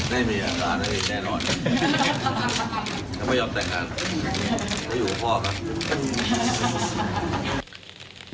ไหนมีอาคารนั้นให้แก่นอนไม่ยอมแตกงานไม่อยู่กับพ่อครับ